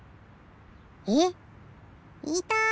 えっいた！